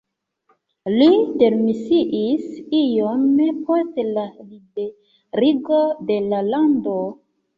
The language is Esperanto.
Li demisiis iom post la liberigo de la lando.